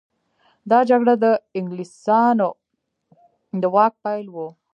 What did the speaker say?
دا جګړه د انګلیسانو د واک پیل و.